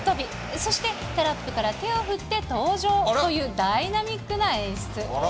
そしてタラップから手を振って登場という、ダイナミックな演出。